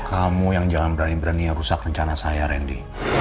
kamu yang jangan berani beraninya rusak rencana saya randy